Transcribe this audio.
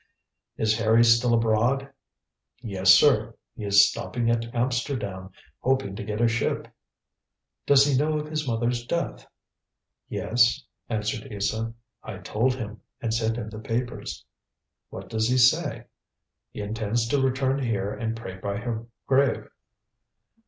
"Is Harry still abroad?" "Yes, sir. He is stopping at Amsterdam, hoping to get a ship." "Does he know of his mother's death?" "Yes," answered Isa. "I told him, and sent him the papers." "What does he say?" "He intends to return here and pray by her grave."